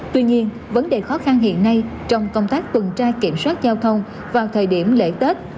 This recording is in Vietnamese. tuy nhiên vấn đề khó khăn hiện nay trong công tác tuần tra kiểm soát giao thông vào thời điểm lễ tết